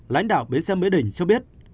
lãnh đạo bến xe mỹ đình cho biết